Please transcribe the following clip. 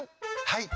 はい。